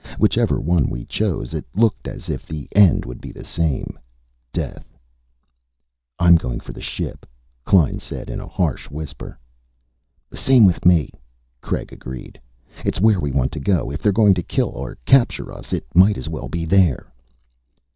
Whichever one we chose, it looked as if the end would be the same death. "I'm for going on to the ship," Klein said in a harsh whisper. "The same with me," Craig agreed. "It's where we want to go. If they're going to kill or capture us, it might as well be there."